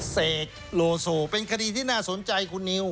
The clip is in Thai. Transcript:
เสกโลโซเป็นคดีที่น่าสนใจคุณนิว